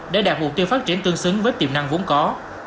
để đạt mục tiêu phát triển tương xứng với tiềm năng vốn có